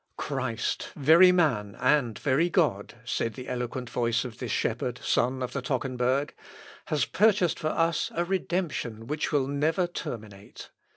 "Christ very man and very God," said the eloquent voice of this shepherd son of the Tockenburg, "has purchased for us a redemption which will never terminate.